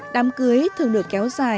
thầy mo cũng trình báo tổ tiên nhà gái